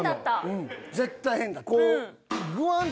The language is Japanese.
うん絶対変だった。